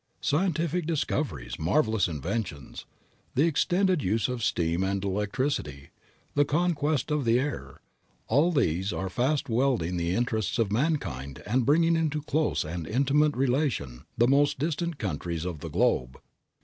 Scientific discoveries, marvelous inventions, the extended use of steam and electricity, the conquest of the air, all these are fast welding the interests of mankind and bringing into close and intimate relation the most distant countries of the globe.